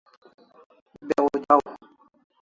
Be'w jaw